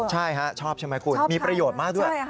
ใช่ชอบใช่ไหมคุณมีประโยชน์มากด้วย